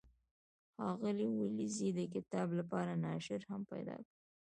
ښاغلي ولیزي د کتاب لپاره ناشر هم پیدا کړ.